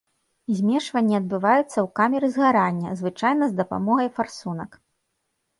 Змешванне адбываецца ў камеры згарання, звычайна з дапамогай фарсунак.